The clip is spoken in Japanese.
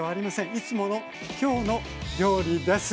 いつもの「きょうの料理」です。